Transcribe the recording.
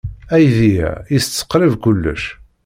Aydi-a itett qrib kullec.